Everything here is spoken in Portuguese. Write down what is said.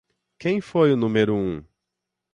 Quem foi o número um?